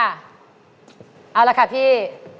เอาละค่ะพี่